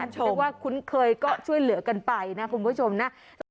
เรียกว่าคุ้นเคยก็ช่วยเหลือกันไปนะคุณผู้ชมนะ